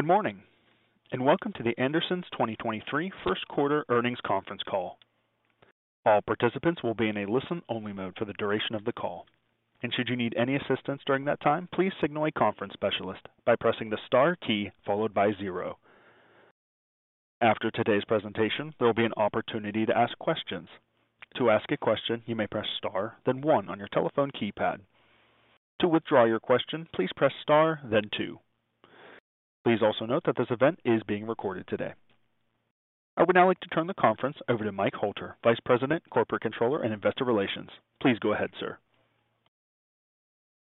Good morning, welcome to The Andersons 2023 first quarter earnings conference call. All participants will be in a listen-only mode for the duration of the call. Should you need any assistance during that time, please signal a conference specialist by pressing the star key followed by zero. After today's presentation, there will be an opportunity to ask questions. To ask a question, you may press star, then one on your telephone keypad. To withdraw your question, please press star, then two. Please also note that this event is being recorded today. I would now like to turn the conference over to Mike Hoelter, Vice President, Corporate Controller, and Investor Relations. Please go ahead, sir.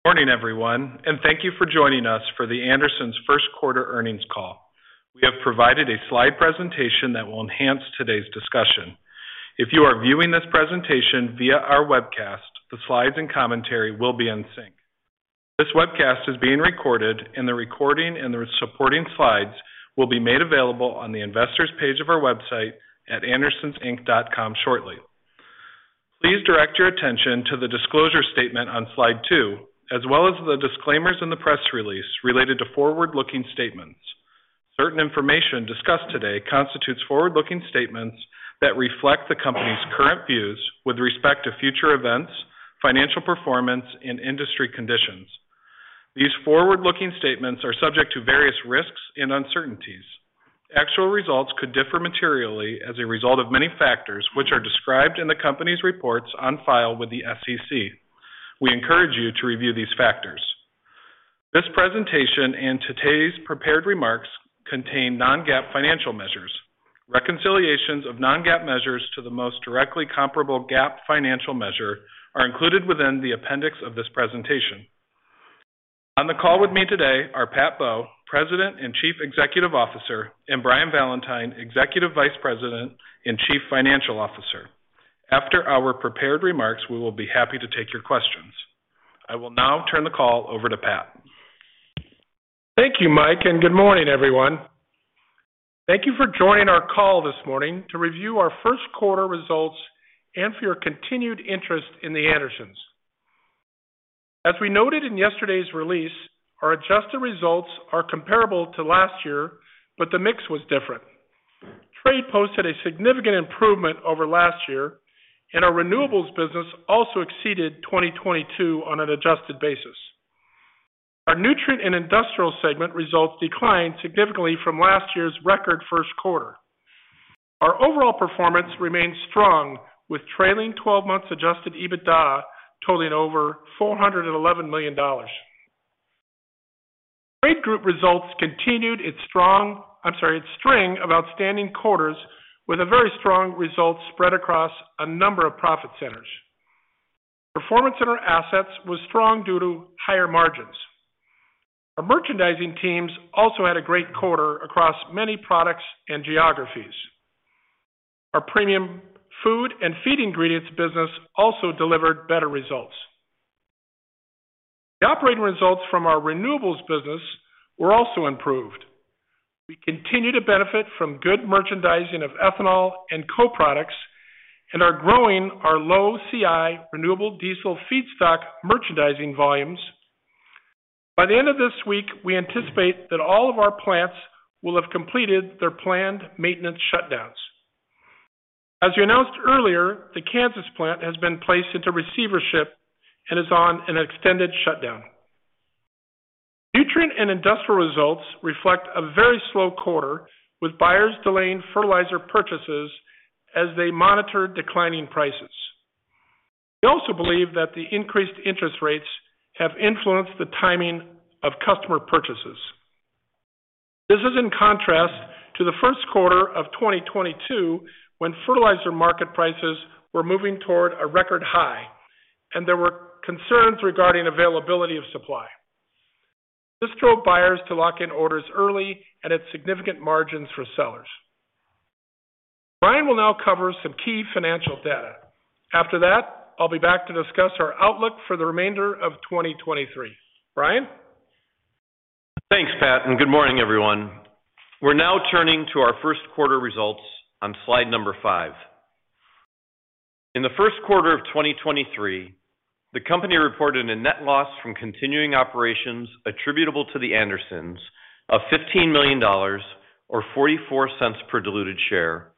Morning, everyone, thank you for joining us for The Andersons first quarter earnings call. We have provided a slide presentation that will enhance today's discussion. If you are viewing this presentation via our webcast, the slides and commentary will be in sync. This webcast is being recorded, the recording and the supporting slides will be made available on the investors page of our website at andersonsinc.com shortly. Please direct your attention to the disclosure statement on slide two, as well as the disclaimers in the press release related to forward-looking statements. Certain information discussed today constitutes forward-looking statements that reflect the company's current views with respect to future events, financial performance, and industry conditions. These forward-looking statements are subject to various risks and uncertainties. Actual results could differ materially as a result of many factors, which are described in the company's reports on file with the SEC. We encourage you to review these factors. This presentation and today's prepared remarks contain non-GAAP financial measures. Reconciliations of non-GAAP measures to the most directly comparable GAAP financial measure are included within the appendix of this presentation. On the call with me today are Pat Bowe, President and Chief Executive Officer, and Brian Valentine, Executive Vice President and Chief Financial Officer. After our prepared remarks, we will be happy to take your questions. I will now turn the call over to Pat. Thank you, Mike. Good morning, everyone. Thank you for joining our call this morning to review our first quarter results and for your continued interest in The Andersons. As we noted in yesterday's release, our adjusted results are comparable to last year, but the mix was different. Trade posted a significant improvement over last year, and our renewables business also exceeded 2022 on an adjusted basis. Our nutrient and industrial segment results declined significantly from last year's record first quarter. Our overall performance remains strong, with trailing 12 months adjusted EBITDA totaling over $411 million. Trade Group results continued its string of outstanding quarters with a very strong result spread across a number of profit centers. Performance in our assets was strong due to higher margins. Our merchandising teams also had a great quarter across many products and geographies. Our premium food and feed ingredients business also delivered better results. The operating results from our renewables business were also improved. We continue to benefit from good merchandising of ethanol and co-products and are growing our low CI renewable diesel feedstock merchandising volumes. By the end of this week, we anticipate that all of our plants will have completed their planned maintenance shutdowns. As we announced earlier, the Kansas plant has been placed into receivership and is on an extended shutdown. Nutrient and industrial results reflect a very slow quarter, with buyers delaying fertilizer purchases as they monitor declining prices. We also believe that the increased interest rates have influenced the timing of customer purchases. This is in contrast to the first quarter of 2022, when fertilizer market prices were moving toward a record high and there were concerns regarding availability of supply. This drove buyers to lock in orders early and at significant margins for sellers. Brian will now cover some key financial data. After that, I'll be back to discuss our outlook for the remainder of 2023. Brian? Thanks, Pat, good morning, everyone. We're now turning to our first quarter results on slide number 5. In the first quarter of 2023, the company reported a net loss from continuing operations attributable to The Andersons of $15 million or $0.44 per diluted share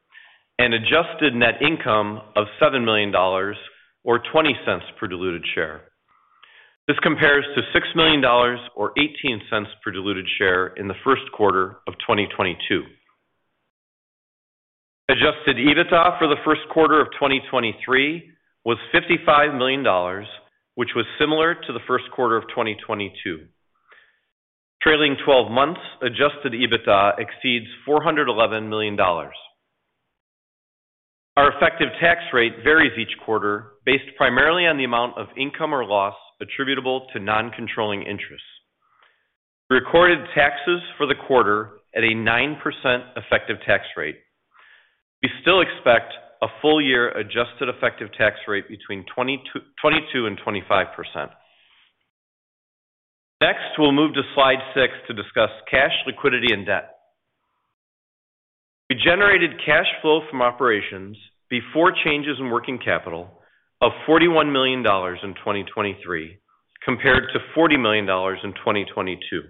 and adjusted net income of $7 million or $0.20 per diluted share. This compares to $6 million or $0.18 per diluted share in the first quarter of 2022. Adjusted EBITDA for the first quarter of 2023 was $55 million, which was similar to the first quarter of 2022. Trailing twelve months adjusted EBITDA exceeds $411 million. Our effective tax rate varies each quarter based primarily on the amount of income or loss attributable to non-controlling interests. We recorded taxes for the quarter at a 9% effective tax rate. We still expect a full-year adjusted effective tax rate between 22% and 25%. Next, we'll move to slide 6 to discuss cash, liquidity, and debt. We generated cash flow from operations before changes in working capital of $41 million in 2023 compared to $40 million in 2022.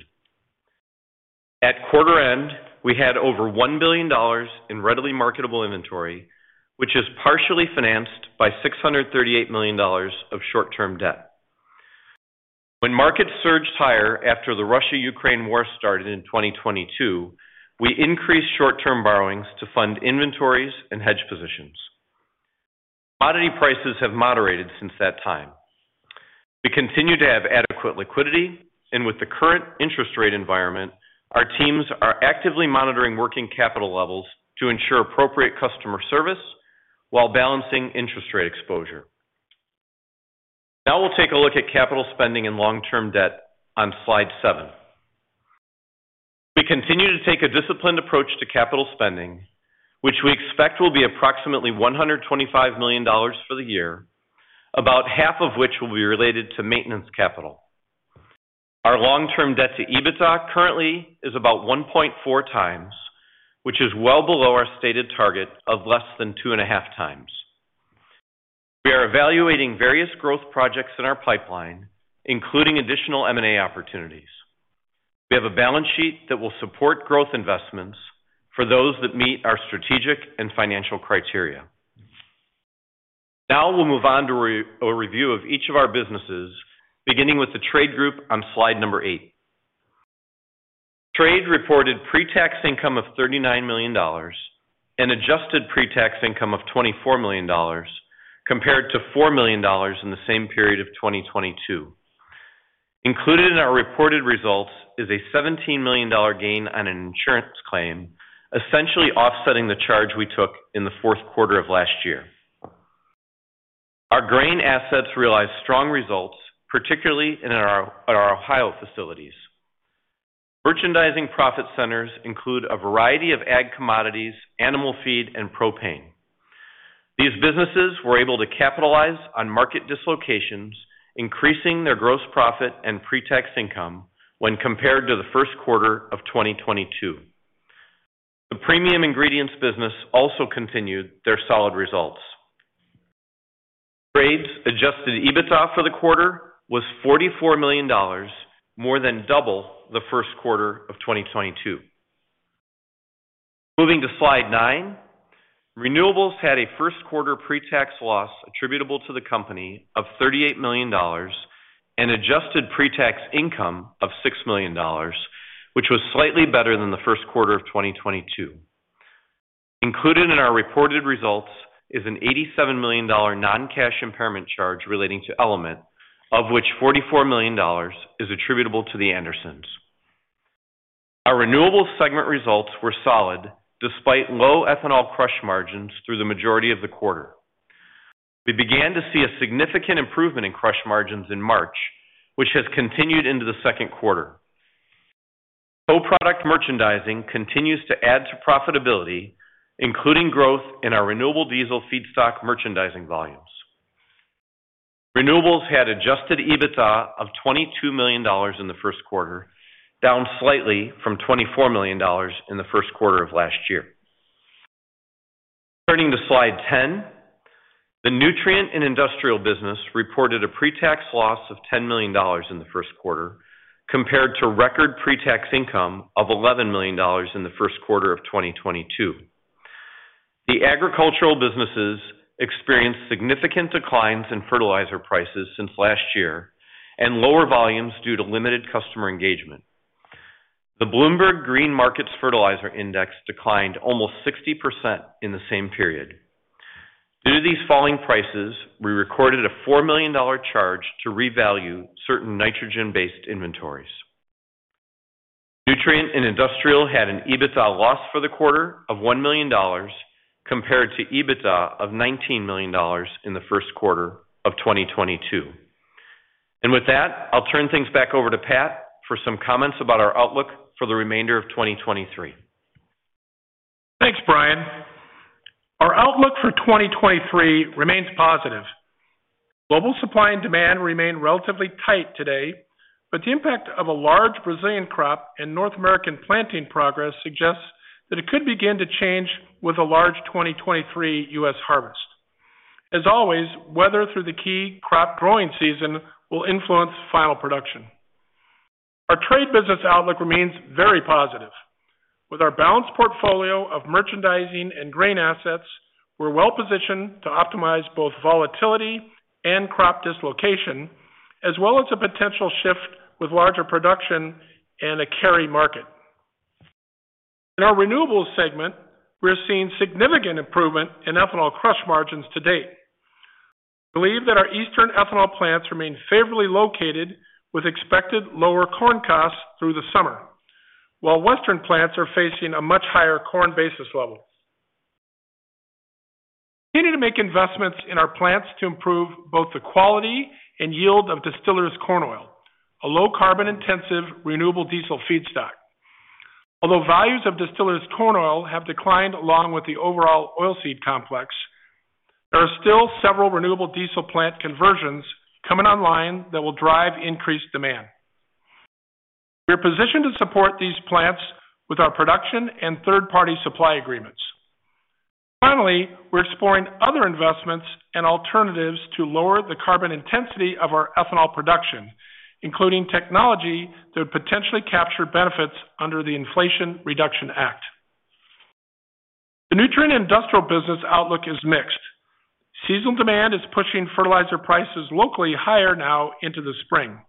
At quarter end, we had over $1 billion in readily marketable inventory, which is partially financed by $638 million of short-term debt. When markets surged higher after the Russia-Ukraine war started in 2022, we increased short-term borrowings to fund inventories and hedge positions. Commodity prices have moderated since that time. We continue to have adequate liquidity, and with the current interest rate environment, our teams are actively monitoring working capital levels to ensure appropriate customer service while balancing interest rate exposure. Now we'll take a look at capital spending and long-term debt on slide 7. We continue to take a disciplined approach to capital spending, which we expect will be approximately $125 million for the year, about half of which will be related to maintenance capital. Our long-term debt to EBITDA currently is about 1.4 times, which is well below our stated target of less than 2.5 times. We are evaluating various growth projects in our pipeline, including additional M&A opportunities. We have a balance sheet that will support growth investments for those that meet our strategic and financial criteria. We'll move on to a review of each of our businesses, beginning with the trade group on slide number eight. Trade reported pre-tax income of $39 million and adjusted pre-tax income of $24 million compared to $4 million in the same period of 2022. Included in our reported results is a $17 million gain on an insurance claim, essentially offsetting the charge we took in the fourth quarter of last year. Our grain assets realized strong results, particularly at our Ohio facilities. Merchandising profit centers include a variety of ag commodities, animal feed, and propane. These businesses were able to capitalize on market dislocations, increasing their gross profit and pre-tax income when compared to the first quarter of 2022. The premium ingredients business also continued their solid results. Trade's adjusted EBITDA for the quarter was $44 million, more than double the first quarter of 2022. Moving to slide 9. Renewables had a first quarter pre-tax loss attributable to the company of $38 million and adjusted pre-tax income of $6 million, which was slightly better than the first quarter of 2022. Included in our reported results is an $87 million non-cash impairment charge relating to ELEMENT, of which $44 million is attributable to The Andersons. Our renewables segment results were solid despite low ethanol crush margins through the majority of the quarter. We began to see a significant improvement in crush margins in March, which has continued into the second quarter. Co-product merchandising continues to add to profitability, including growth in our renewable diesel feedstock merchandising volumes. Renewables had adjusted EBITDA of $22 million in the first quarter, down slightly from $24 million in the first quarter of last year. Turning to slide 10. The nutrient and industrial business reported a pre-tax loss of $10 million in the first quarter, compared to record pre-tax income of $11 million in the first quarter of 2022. The agricultural businesses experienced significant declines in fertilizer prices since last year and lower volumes due to limited customer engagement. The Bloomberg Green Markets Fertilizer Index declined almost 60% in the same period. Due to these falling prices, we recorded a $4 million charge to revalue certain nitrogen-based inventories. Nutrient and Industrial had an EBITDA loss for the quarter of $1 million compared to EBITDA of $19 million in the first quarter of 2022. With that, I'll turn things back over to Pat for some comments about our outlook for the remainder of 2023. Thanks, Brian. Our outlook for 2023 remains positive. Global supply and demand remain relatively tight today, but the impact of a large Brazilian crop and North American planting progress suggests that it could begin to change with a large 2023 U.S. harvest. As always, weather through the key crop growing season will influence final production. Our trade business outlook remains very positive. With our balanced portfolio of merchandising and grain assets, we're well-positioned to optimize both volatility and crop dislocation, as well as a potential shift with larger production and a carry market. In our renewables segment, we're seeing significant improvement in ethanol crush margins to date. Believe that our eastern ethanol plants remain favorably located with expected lower corn costs through the summer, while western plants are facing a much higher corn basis level. Continue to make investments in our plants to improve both the quality and yield of distillers corn oil, a low carbon intensive renewable diesel feedstock. Values of distillers corn oil have declined along with the overall oilseed complex, there are still several renewable diesel plant conversions coming online that will drive increased demand. We are positioned to support these plants with our production and third-party supply agreements. Finally, we're exploring other investments and alternatives to lower the carbon intensity of our ethanol production, including technology that would potentially capture benefits under the Inflation Reduction Act. The nutrient industrial business outlook is mixed. Seasonal demand is pushing fertilizer prices locally higher now into the spring.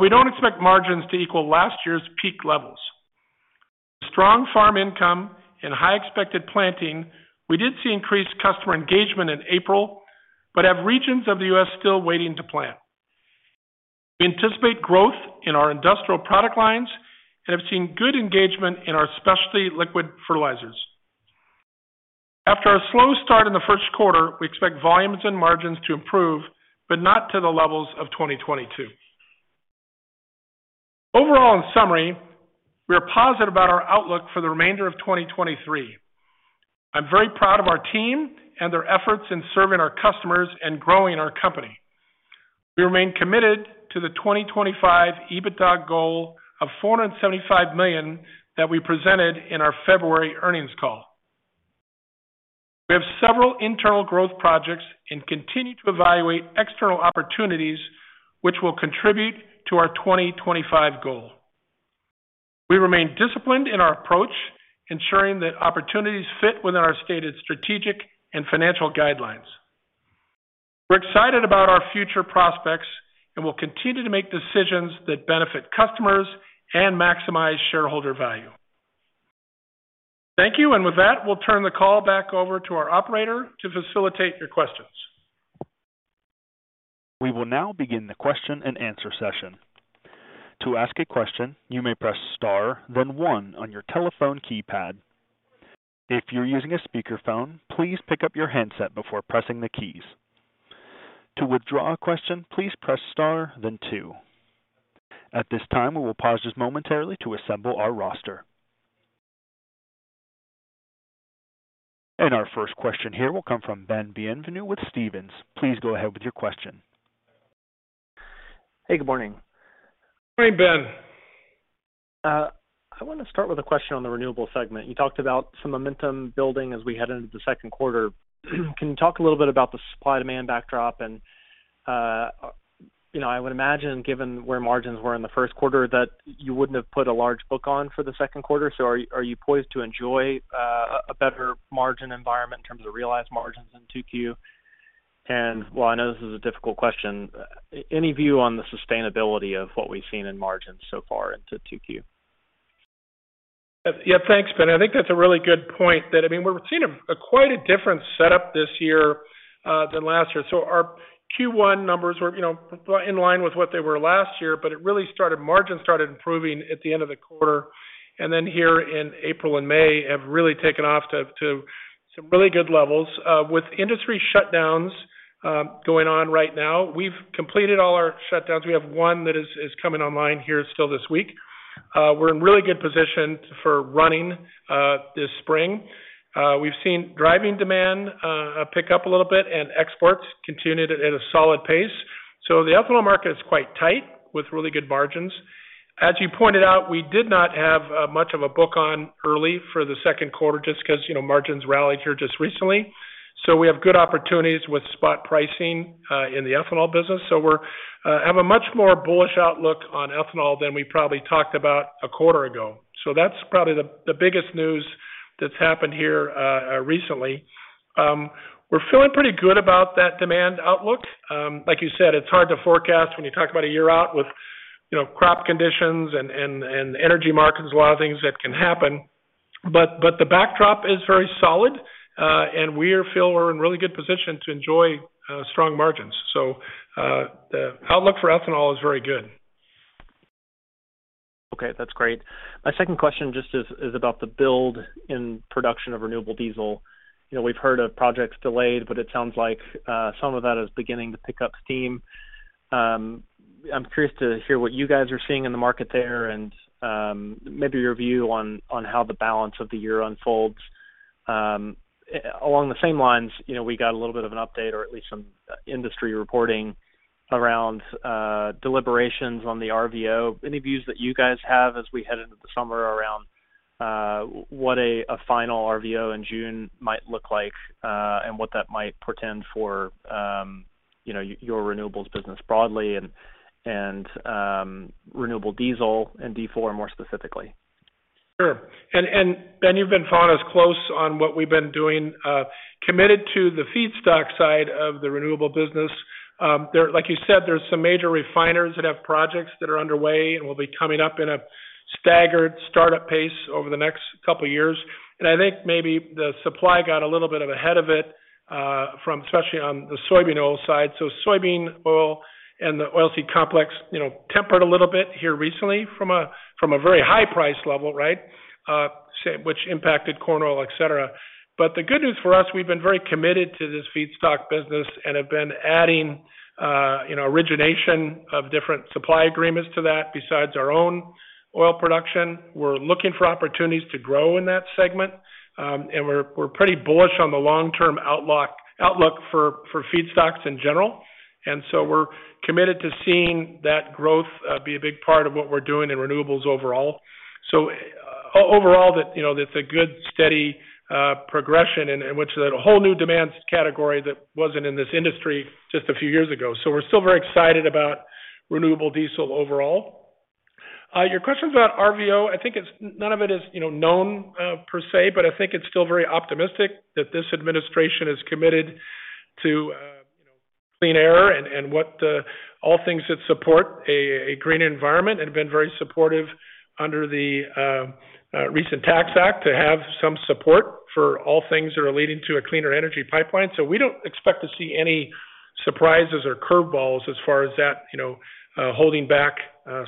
We don't expect margins to equal last year's peak levels. Strong farm income and high expected planting, we did see increased customer engagement in April, but have regions of the U.S. still waiting to plant. We anticipate growth in our industrial product lines and have seen good engagement in our specialty liquid fertilizers. After a slow start in the first quarter, we expect volumes and margins to improve, but not to the levels of 2022. Overall, in summary, we are positive about our outlook for the remainder of 2023. I'm very proud of our team and their efforts in serving our customers and growing our company. We remain committed to the 2025 EBITDA goal of $475 million that we presented in our February earnings call. We have several internal growth projects and continue to evaluate external opportunities which will contribute to our 2025 goal. We remain disciplined in our approach, ensuring that opportunities fit within our stated strategic and financial guidelines. We're excited about our future prospects, and we'll continue to make decisions that benefit customers and maximize shareholder value. Thank you. With that, we'll turn the call back over to our operator to facilitate your questions. We will now begin the question-and-answer session. To ask a question, you may press star, then one on your telephone keypad. If you're using a speakerphone, please pick up your handset before pressing the keys. To withdraw a question, please press star then two. At this time, we will pause just momentarily to assemble our roster. Our first question here will come from Ben Bienvenu with Stephens. Please go ahead with your question. Hey, good morning. Morning, Ben. I want to start with a question on the renewable segment. You talked about some momentum building as we head into the second quarter. Can you talk a little bit about the supply-demand backdrop? You know, I would imagine, given where margins were in the first quarter, that you wouldn't have put a large book on for the second quarter. Are you poised to enjoy a better margin environment in terms of realized margins in 2Q? While I know this is a difficult question, any view on the sustainability of what we've seen in margins so far into 2Q? Thanks, Ben. I think that's a really good point that, I mean, we're seeing a quite different setup this year than last year. Our Q1 numbers were, you know, in line with what they were last year, but margins started improving at the end of the quarter, and then here in April and May have really taken off to some really good levels. With industry shutdowns going on right now, we've completed all our shutdowns. We have one that is coming online here still this week. We're in really good position for running this spring. We've seen driving demand pick up a little bit and exports continued at a solid pace. The ethanol market is quite tight with really good margins. You pointed out, we did not have much of a book on early for the second quarter just 'cause, you know, margins rallied here just recently. We have good opportunities with spot pricing in the ethanol business. We're have a much more bullish outlook on ethanol than we probably talked about a quarter ago. That's probably the biggest news that's happened here recently. We're feeling pretty good about that demand outlook. Like you said, it's hard to forecast when you talk about a year out with, you know, crop conditions and, and energy markets, a lot of things that can happen. The backdrop is very solid, and we feel we're in really good position to enjoy strong margins. The outlook for ethanol is very good. Okay, that's great. My second question just is about the build in production of renewable diesel. You know, we've heard of projects delayed, but it sounds like some of that is beginning to pick up steam. I'm curious to hear what you guys are seeing in the market there and, maybe your view on how the balance of the year unfolds. Along the same lines, you know, we got a little bit of an update or at least some industry reporting around deliberations on the RVO. Any views that you guys have as we head into the summer around what a final RVO in June might look like, and what that might portend for, you know, your renewables business broadly and, renewable diesel and D4 more specifically? Sure. Ben, you've been following us close on what we've been doing, committed to the feedstock side of the renewable business. Like you said, there's some major refiners that have projects that are underway and will be coming up in a staggered startup pace over the next couple of years. I think maybe the supply got a little bit of ahead of it from, especially on the soybean oil side. Soybean oil and the oil seed complex, you know, tempered a little bit here recently from a, from a very high price level, right? Which impacted corn oil, et cetera. The good news for us, we've been very committed to this feedstock business and have been adding, you know, origination of different supply agreements to that besides our own oil production, we're looking for opportunities to grow in that segment. We're pretty bullish on the long-term outlook for feedstocks in general. We're committed to seeing that growth be a big part of what we're doing in renewables overall. Overall, the, you know, that's a good steady progression in which that a whole new demand category that wasn't in this industry just a few years ago. We're still very excited about renewable diesel overall. Your questions about RVO, I think none of it is, you know, known per se. I think it's still very optimistic that this administration is committed to, you know, clean air and all things that support a green environment and have been very supportive under the recent tax act to have some support for all things that are leading to a cleaner energy pipeline. We don't expect to see any surprises or curve balls as far as that, you know, holding back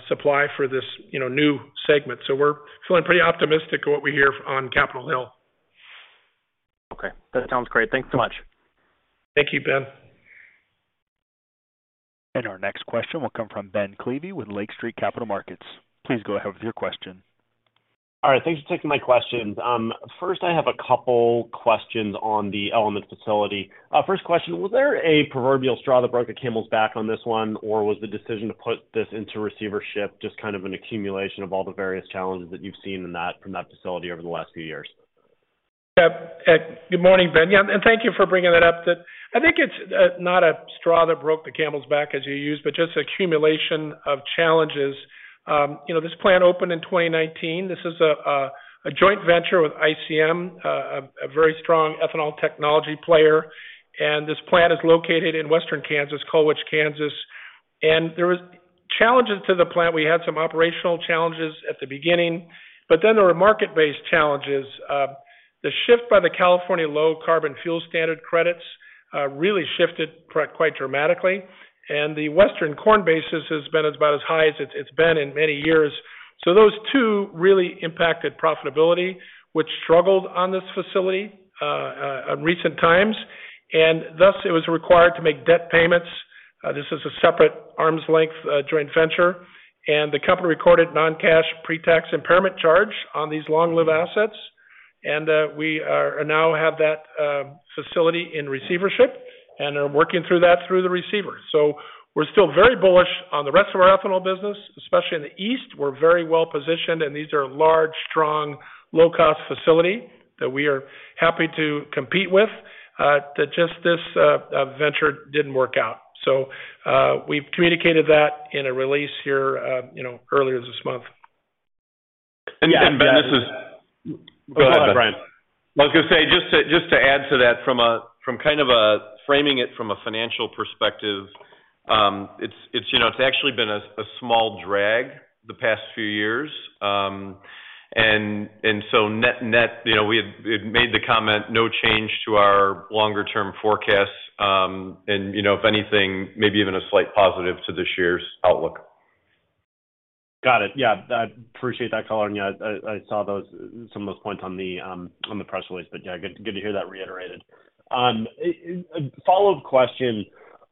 supply for this, you know, new segment. We're feeling pretty optimistic of what we hear on Capitol Hill. Okay. That sounds great. Thanks so much. Thank you, Ben. Our next question will come from Ben Klieve with Lake Street Capital Markets. Please go ahead with your question. All right. Thanks for taking my questions. First, I have a couple questions on the ELEMENT facility. First question, was there a proverbial straw that broke the camel's back on this one, or was the decision to put this into receivership just kind of an accumulation of all the various challenges that you've seen from that facility over the last few years? Good morning, Ben. Thank you for bringing that up. That I think it's not a straw that broke the camel's back as you used, but just accumulation of challenges. You know, this plant opened in 2019. This is a joint venture with ICM, a very strong ethanol technology player. This plant is located in Western Kansas, Colwich, Kansas. There was challenges to the plant. We had some operational challenges at the beginning, there were market-based challenges. The shift by the California Low Carbon Fuel Standard credits really shifted quite dramatically. The Western corn basis has been about as high as it's been in many years. Those two really impacted profitability, which struggled on this facility at recent times. Thus, it was required to make debt payments. This is a separate arm's length joint venture. The company recorded non-cash pre-tax impairment charge on these long-live assets. We now have that facility in receivership and are working through that through the receiver. We're still very bullish on the rest of our ethanol business, especially in the East. We're very well positioned, and these are large, strong, low-cost facility that we are happy to compete with, that just this venture didn't work out. We've communicated that in a release here, you know, earlier this month. Ben, this is... Go ahead, Brian. I was gonna say, just to, just to add to that from a, from kind of a framing it from a financial perspective, it's, you know, it's actually been a small drag the past few years. So net, you know, we had made the comment, no change to our longer-term forecast. You know, if anything, maybe even a slight positive to this year's outlook. Got it. Yeah. I appreciate that color. Yeah, I saw those, some of those points on the press release, but yeah, good to hear that reiterated. A follow-up question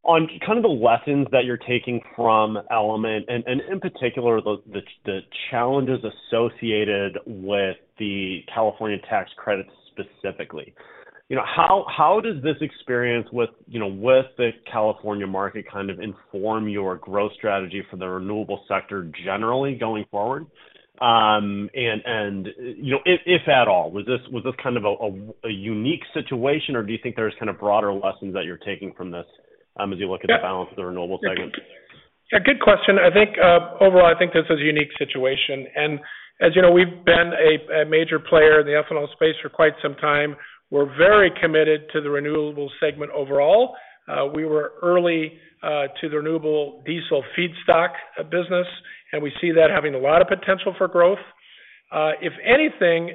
on kind of the lessons that you're taking from ELEMENT and, in particular, the challenges associated with the California tax credits specifically. You know, how does this experience with, you know, with the California market kind of inform your growth strategy for the renewable sector generally going forward? You know, if at all. Was this, was this kind of a unique situation, or do you think there's kind of broader lessons that you're taking from this, as you look at the balance of the renewable segment? Yeah. Good question. I think, overall, I think this is a unique situation. As you know, we've been a major player in the ethanol space for quite some time. We're very committed to the renewable segment overall. We were early to the renewable diesel feedstock business, and we see that having a lot of potential for growth. If anything,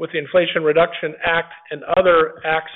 with the Inflation Reduction Act and other acts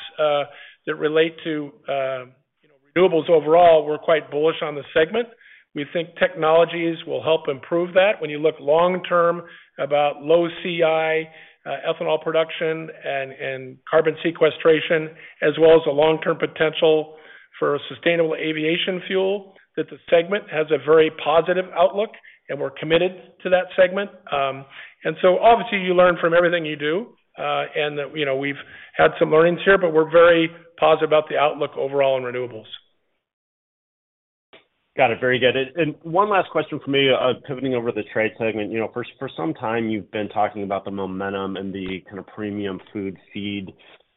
that relate to, you know, renewables overall, we're quite bullish on the segment. We think technologies will help improve that. When you look long-term about low CI ethanol production and carbon sequestration, as well as the long-term potential for sustainable aviation fuel, that the segment has a very positive outlook, and we're committed to that segment. Obviously, you learn from everything you do, and that, you know, we've had some learnings here, but we're very positive about the outlook overall in renewables. Got it. Very good. One last question for me, pivoting over to the trade segment. You know, for some time, you've been talking about the momentum and the kind of premium food/feed,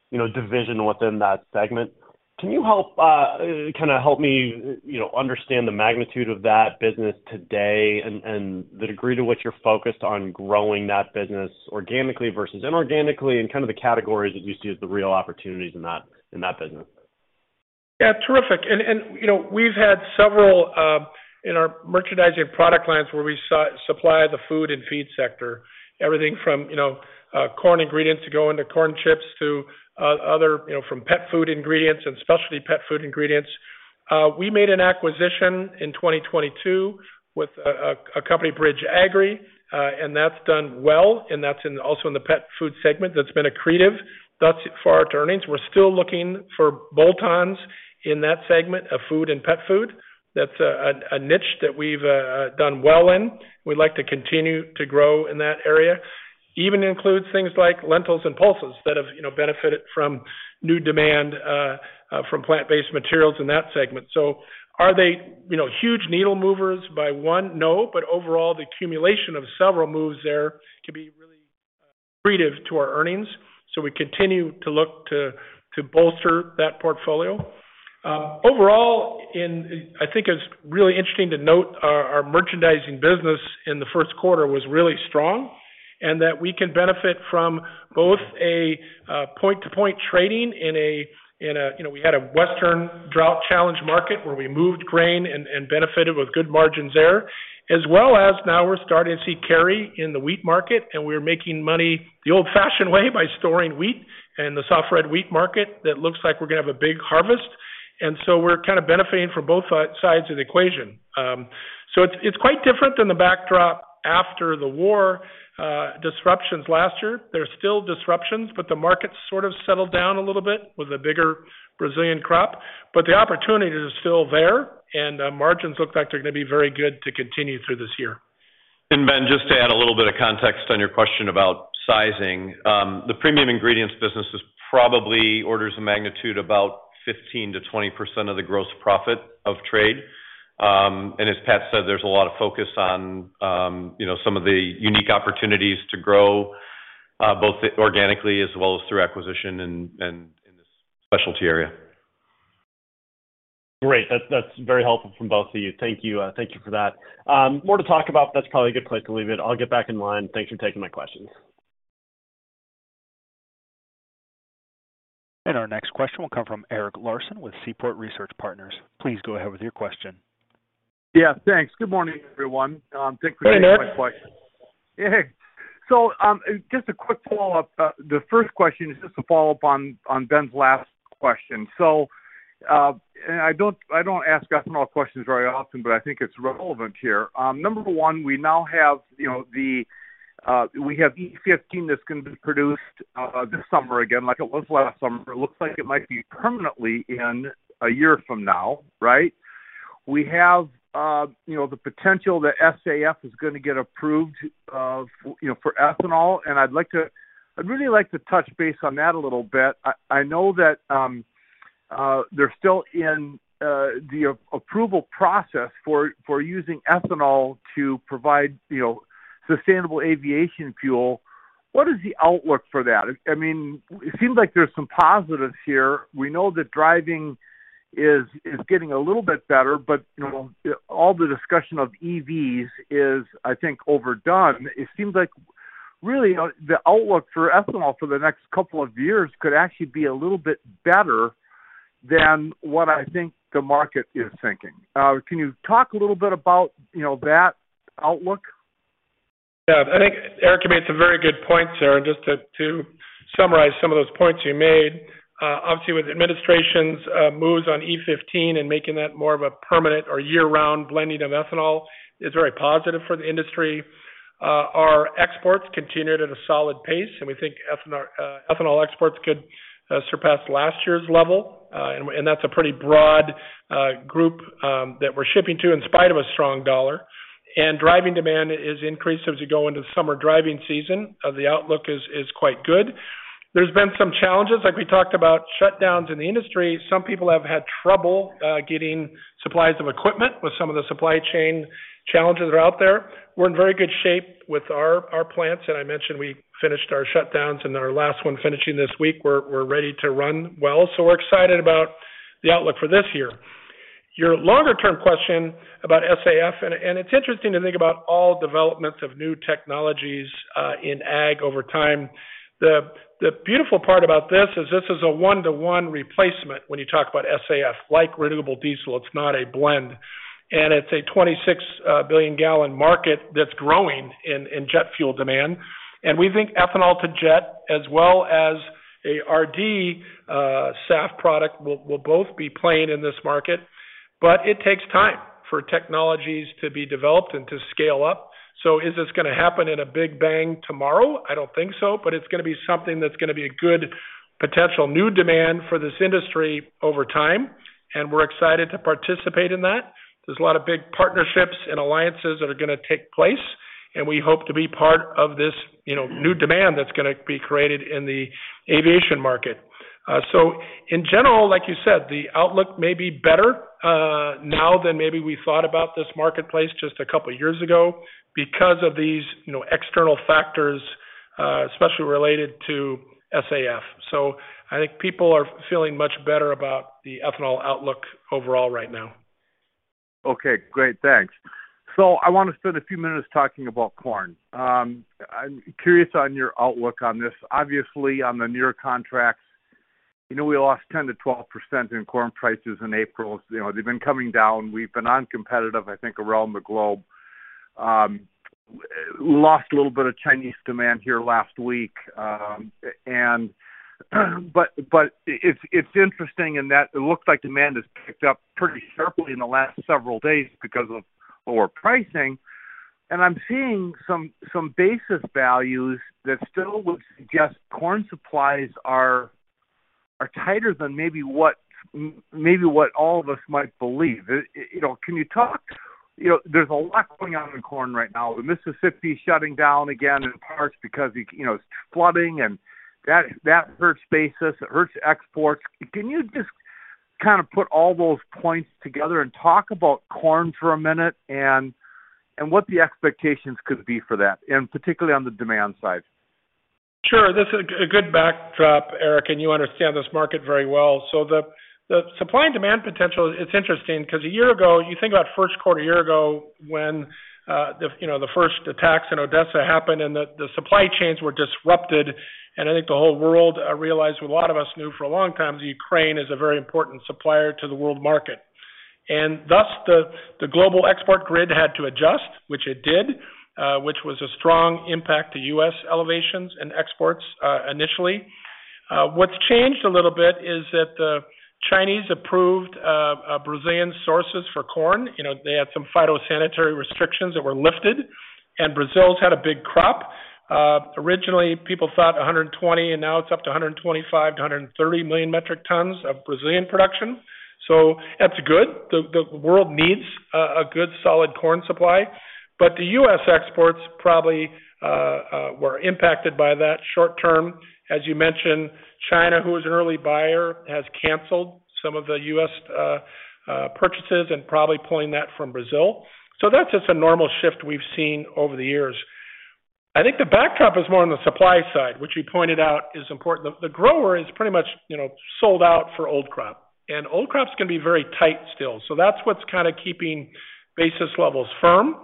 you know, division within that segment. Can you help, kinda help me, you know, understand the magnitude of that business today and the degree to which you're focused on growing that business organically versus inorganically, and kind of the categories that you see as the real opportunities in that business? Yeah, terrific. You know, we've had several in our merchandising product lines where we supply the food and feed sector. Everything from, you know, corn ingredients to go into corn chips to other, you know, from pet food ingredients and specialty pet food ingredients. We made an acquisition in 2022 with a company Bridge Agri, and that's done well, and that's also in the pet food segment that's been accretive thus far to earnings. We're still looking for bolt-ons in that segment of food and pet food. That's a niche that we've done well in. We'd like to continue to grow in that area. Even includes things like lentils and pulses that have, you know, benefited from new demand from plant-based materials in that segment. Are they, you know, huge needle movers by one? No. Overall, the accumulation of several moves there can be really accretive to our earnings. We continue to look to bolster that portfolio. Overall, I think it's really interesting to note our merchandising business in the first quarter was really strong, and that we can benefit from both a point-to-point trading, you know, we had a western drought-challenged market where we moved grain and benefited with good margins there, as well as now we're starting to see carry in the wheat market, and we're making money the old-fashioned way by storing wheat in the soft red wheat market that looks like we're going to have a big harvest. We're kind of benefiting from both sides of the equation. It's quite different than the backdrop after the war disruptions last year. There's still disruptions, the market sort of settled down a little bit with a bigger Brazilian crop. The opportunity is still there, and margins look like they're going to be very good to continue through this year. Ben, just to add a little bit of context on your question about sizing. The premium ingredients business is probably orders of magnitude about 15%-20% of the gross profit of trade. As Pat said, there's a lot of focus on, you know, some of the unique opportunities to grow both organically as well as through acquisition in this specialty area. Great. That's very helpful from both of you. Thank you. Thank you for that. More to talk about, but that's probably a good place to leave it. I'll get back in line. Thanks for taking my question. Our next question will come from Eric Larson with Seaport Research Partners. Please go ahead with your question. Yeah, thanks. Good morning, everyone. Hey, Ned. Hey. Just a quick follow-up. The first question is just a follow-up on Ben's last question. I don't ask ethanol questions very often, but I think it's relevant here. Number one, we now have, you know, we have E15 that's going to be produced this summer again, like it was last summer. It looks like it might be permanently in a year from now, right? We have, you know, the potential that SAF is going to get approved, you know, for ethanol. I'd really like to touch base on that a little bit. I know that they're still in the approval process for using ethanol to provide, you know, sustainable aviation fuel. What is the outlook for that? I mean, it seems like there's some positives here. We know that driving is getting a little bit better, you know, all the discussion of EVs is, I think, overdone. It seems like really the outlook for ethanol for the next couple of years could actually be a little bit better than what I think the market is thinking. Can you talk a little bit about, you know, that outlook? Yeah. I think Eric, you made some very good points there. Just to summarize some of those points you made, obviously, with the administration's moves on E15 and making that more of a permanent or year-round blending of ethanol is very positive for the industry. Our exports continued at a solid pace, and we think ethanol exports could surpass last year's level. And that's a pretty broad group that we're shipping to in spite of a strong dollar. Driving demand is increased as we go into the summer driving season. The outlook is quite good. There's been some challenges, like we talked about shutdowns in the industry. Some people have had trouble getting supplies of equipment with some of the supply chain challenges that are out there. We're in very good shape with our plants, and I mentioned we finished our shutdowns and our last one finishing this week. We're ready to run well. We're excited about the outlook for this year. Your longer-term question about SAF, and it's interesting to think about all developments of new technologies in ag over time. The beautiful part about this is this is a one-to-one replacement when you talk about SAF, like renewable diesel, it's not a blend. It's a 26 billion gallon market that's growing in jet fuel demand. We think ethanol to jet as well as a RD SAF product will both be playing in this market. It takes time for technologies to be developed and to scale up. Is this gonna happen in a big bang tomorrow? I don't think so, but it's gonna be something that's gonna be a good potential new demand for this industry over time, and we're excited to participate in that. There's a lot of big partnerships and alliances that are gonna take place, and we hope to be part of this, you know, new demand that's gonna be created in the aviation market. In general, like you said, the outlook may be better now than maybe we thought about this marketplace just a couple of years ago because of these, you know, external factors, especially related to SAF. I think people are feeling much better about the ethanol outlook overall right now. Okay, great. Thanks. I want to spend a few minutes talking about corn. I'm curious on your outlook on this. Obviously, on the near contracts, you know, we lost 10%-12% in corn prices in April. You know, they've been coming down. We've been uncompetitive, I think, around the globe. lost a little bit of Chinese demand here last week, but it's interesting in that it looks like demand has picked up pretty sharply in the last several days because of lower pricing. I'm seeing some basis values that still would suggest corn supplies are tighter than maybe what all of us might believe. You know, can you talk? You know, there's a lot going on in corn right now. The Mississippi is shutting down again in parts because, you know, flooding and that hurts basis, it hurts exports. Can you just kind of put all those points together and talk about corn for a minute and what the expectations could be for that, and particularly on the demand side? Sure. This is a good backdrop, Eric, and you understand this market very well. The supply and demand potential, it's interesting because a year ago, you think about first quarter a year ago when the, you know, the first attacks in Odessa happened and the supply chains were disrupted. I think the whole world realized, a lot of us knew for a long time that Ukraine is a very important supplier to the world market. Thus the global export grid had to adjust, which it did, which was a strong impact to U.S. elevations and exports initially. What's changed a little bit is that the Chinese approved Brazilian sources for corn. You know, they had some phytosanitary restrictions that were lifted, and Brazil's had a big crop. Originally, people thought 120, and now it's up to 125-130 million metric tons of Brazilian production. That's good. The world needs a good solid corn supply. The U.S. exports probably were impacted by that short term. As you mentioned, China, who is an early buyer, has canceled some of the U.S. purchases and probably pulling that from Brazil. That's just a normal shift we've seen over the years. I think the backdrop is more on the supply side, which you pointed out is important. The grower is pretty much, you know, sold out for old crop, and old crops can be very tight still. That's what's kinda keeping basis levels firm.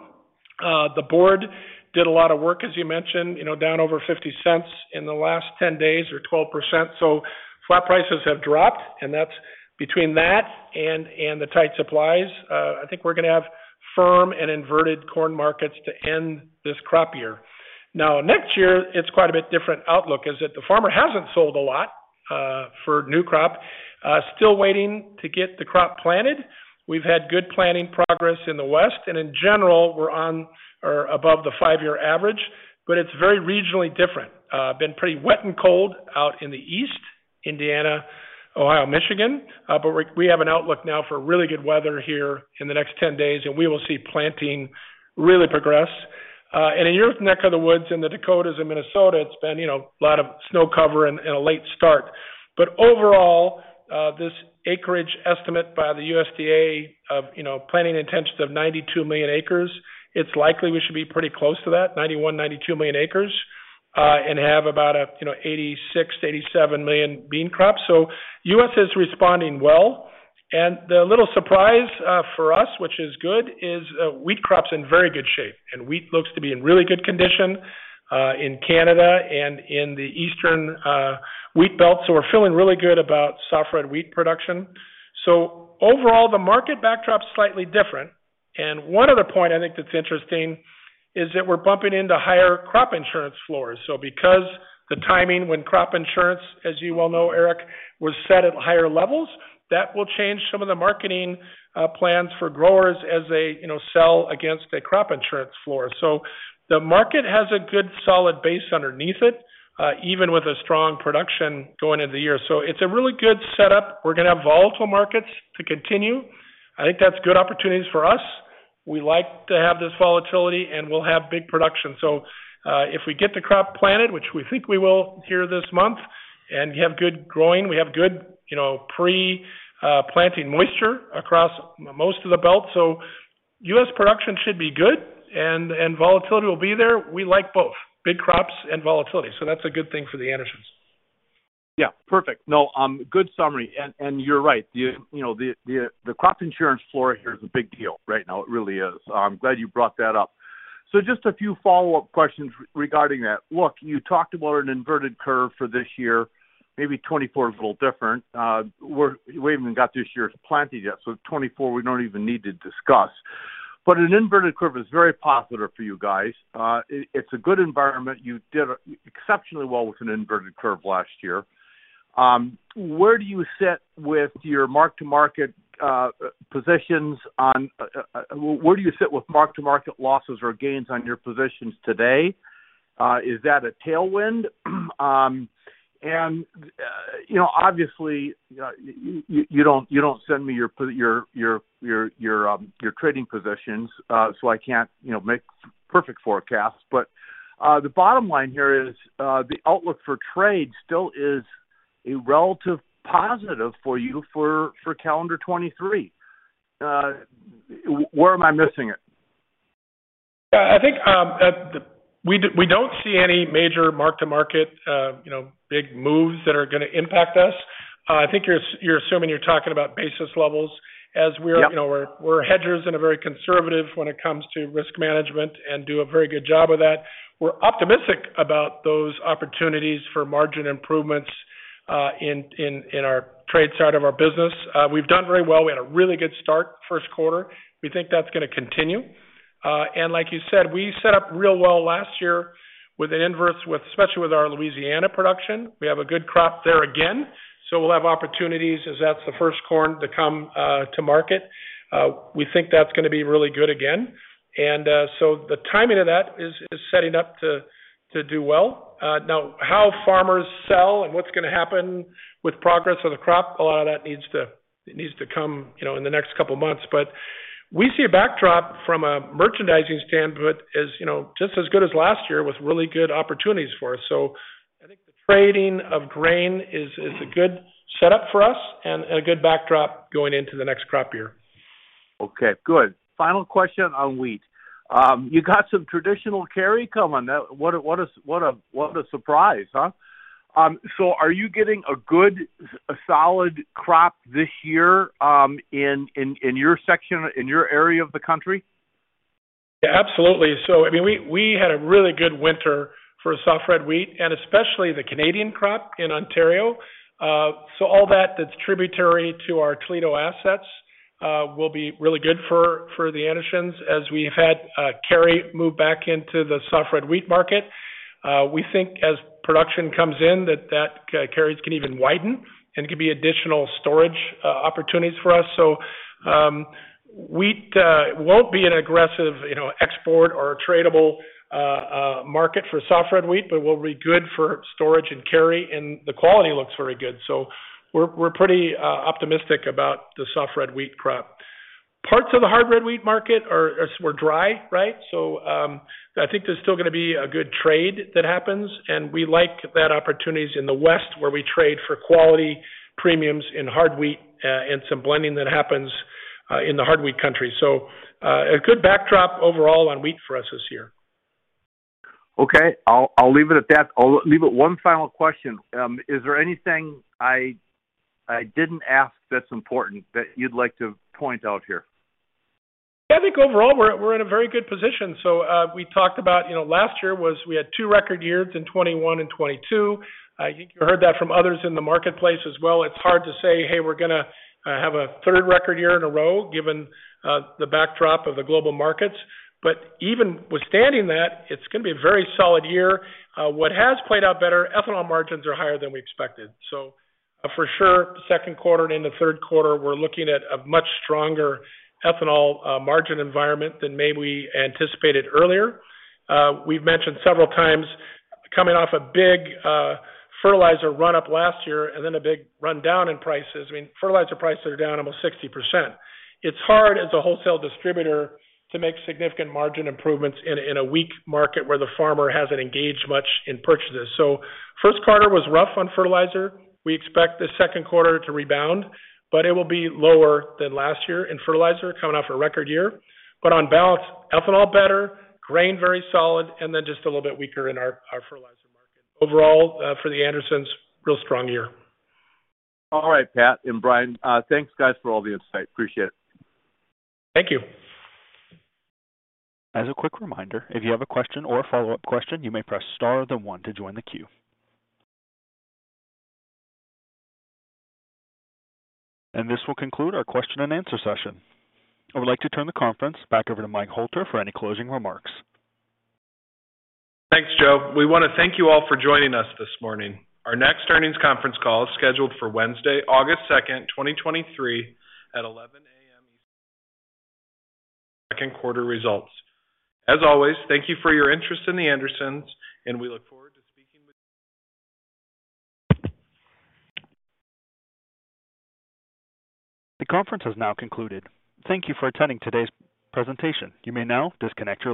The board did a lot of work, as you mentioned, you know, down over $0.50 in the last 10 days or 12%. Flat prices have dropped, and that's between that and the tight supplies, I think we're gonna have firm and inverted corn markets to end this crop year. Next year, it's quite a bit different outlook, is that the farmer hasn't sold a lot for new crop. Still waiting to get the crop planted. We've had good planting progress in the West, and in general, we're on or above the 5-year average, but it's very regionally different. Been pretty wet and cold out in the East, Indiana, Ohio, Michigan, but we have an outlook now for really good weather here in the next 10 days, and we will see planting really progress. In your neck of the woods in the Dakotas and Minnesota, it's been, you know, a lot of snow cover and a late start. Overall, this acreage estimate by the USDA of, you know, planting intentions of 92 million acres, it's likely we should be pretty close to that, 91 million-92 million acres, and have about a, you know, 86 million-87 million bean crops. U.S. is responding well. The little surprise for us, which is good, is wheat crop's in very good shape. Wheat looks to be in really good condition in Canada and in the Eastern wheat belt. We're feeling really good about soft red wheat production. Overall, the market backdrop's slightly different. One other point I think that's interesting is that we're bumping into higher crop insurance floors. Because the timing when crop insurance, as you well know, Eric, was set at higher levels, that will change some of the marketing plans for growers as they, you know, sell against a crop insurance floor. The market has a good solid base underneath it, even with a strong production going into the year. It's a really good setup. We're gonna have volatile markets to continue. I think that's good opportunities for us. We like to have this volatility, and we'll have big production. If we get the crop planted, which we think we will here this month, and we have good growing, we have good, you know, pre planting moisture across most of the belt. US production should be good and volatility will be there. We like both, big crops and volatility. That's a good thing for The Andersons. Yeah. Perfect. Good summary. You're right. The, you know, the crop insurance floor here is a big deal right now. It really is. I'm glad you brought that up. Just a few follow-up questions regarding that. Look, you talked about an inverted curve for this year, maybe 2024 a little different. We haven't even got this year's planted yet, 2024, we don't even need to discuss. An inverted curve is very popular for you guys. It's a good environment. You did exceptionally well with an inverted curve last year. Where do you sit with mark-to-market losses or gains on your positions today? Is that a tailwind? You know, obviously, you don't send me your trading positions, so I can't, you know, make perfect forecasts. The bottom line here is, the outlook for trade still is a relative positive for you for calendar 2023. Where am I missing it? I think, we don't see any major mark-to-market, you know, big moves that are gonna impact us. I think you're assuming you're talking about basis levels. Yep you know, we're hedgers and are very conservative when it comes to risk management and do a very good job of that. We're optimistic about those opportunities for margin improvements in our trade side of our business. We've done very well. We had a really good start first quarter. We think that's gonna continue. Like you said, we set up real well last year with an inverse especially with our Louisiana production. We have a good crop there again, so we'll have opportunities as that's the first corn to come to market. We think that's gonna be really good again. So the timing of that is setting up to do well. Now how farmers sell and what's gonna happen with progress of the crop, a lot of that needs to come, you know, in the next couple of months. We see a backdrop from a merchandising standpoint as, you know, just as good as last year with really good opportunities for us. I think the trading of grain is a good setup for us and a good backdrop going into the next crop year. Okay, good. Final question on wheat. You got some traditional carry come on. What a, what a surprise, huh? Are you getting a good solid crop this year, in your section, in your area of the country? Yeah, absolutely. I mean, we had a really good winter for soft red wheat and especially the Canadian crop in Ontario. All that's tributary to our Toledo assets will be really good for The Andersons as we've had carry move back into the soft red wheat market. We think as production comes in that carry can even widen and could be additional storage opportunities for us. Wheat won't be an aggressive, you know, export or a tradable market for soft red wheat, but will be good for storage and carry, and the quality looks very good. We're pretty optimistic about the soft red wheat crop. Parts of the hard red wheat market were dry, right? I think there's still gonna be a good trade that happens, and we like that opportunities in the West, where we trade for quality premiums in hard wheat, and some blending that happens in the hard wheat country. A good backdrop overall on wheat for us this year. Okay. I'll leave it at that. One final question. Is there anything I didn't ask that's important that you'd like to point out here? I think overall we're in a very good position. We talked about, you know, last year was we had two record years in 21 and 22. I think you heard that from others in the marketplace as well. It's hard to say, "Hey, we're gonna have a third record year in a row given the backdrop of the global markets." Even withstanding that, it's gonna be a very solid year. What has played out better, ethanol margins are higher than we expected. For sure, second quarter and into third quarter, we're looking at a much stronger ethanol margin environment than maybe we anticipated earlier. We've mentioned several times coming off a big fertilizer run-up last year and then a big rundown in prices. I mean, fertilizer prices are down almost 60%. It's hard as a wholesale distributor to make significant margin improvements in a, in a weak market where the farmer hasn't engaged much in purchases. First quarter was rough on fertilizer. We expect the second quarter to rebound, but it will be lower than last year in fertilizer coming off a record year. On balance, ethanol better, grain very solid, and then just a little bit weaker in our fertilizer market. Overall, for The Andersons, real strong year. All right, Pat and Brian. Thanks guys for all the insight. Appreciate it. Thank you. As a quick reminder, if you have a question or a follow-up question, you may press star then one to join the queue. This will conclude our question and answer session. I would like to turn the conference back over to Mike Hoelter for any closing remarks. Thanks, Joe. We wanna thank you all for joining us this morning. Our next earnings conference call is scheduled for Wednesday, August second, 2023 at 11:00 A.M. Eastern for second quarter results. As always, thank you for your interest in The Andersons, and we look forward to speaking with. The conference has now concluded. Thank you for attending today's presentation. You may now disconnect your line.